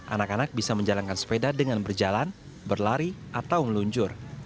anak anak bisa menjalankan sepeda dengan berjalan berlari atau meluncur